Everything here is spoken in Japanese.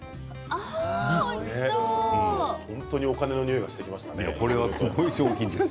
お金のにおいがしてきましたね。